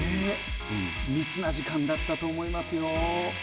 密な時間だったと思いますよ。